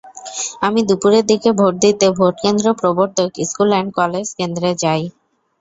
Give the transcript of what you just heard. আমি দুপুরের দিকে ভোট দিতে ভোটকেন্দ্র প্রবর্তক স্কুল অ্যান্ড কলেজ কেন্দ্রে যাই।